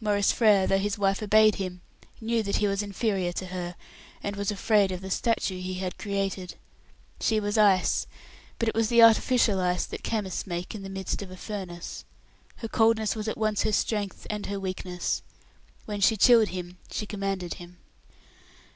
Maurice Frere, though his wife obeyed him, knew that he was inferior to her, and was afraid of the statue he had created. She was ice, but it was the artificial ice that chemists make in the midst of a furnace. Her coldness was at once her strength and her weakness. When she chilled him, she commanded him.